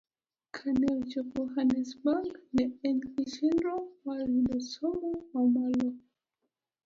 Kane ochopo Hannesburg, ne en gi chenro mar yudo somo mamalo